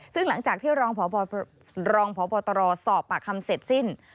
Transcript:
ซึ่งหลังจากที่รองพบตรสอบปากคำเสร็จสิ้น